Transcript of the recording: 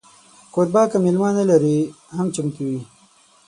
کوربه که میلمه نه لري، هم چمتو وي.